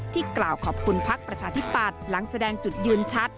กล่าวขอบคุณพักประชาธิปัตย์หลังแสดงจุดยืนชัด